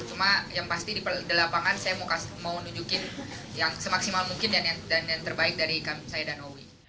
cuma yang pasti di lapangan saya mau nunjukin yang semaksimal mungkin dan yang terbaik dari saya dan owi